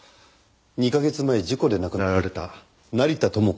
２カ月前事故で亡くなられた成田知子教授の。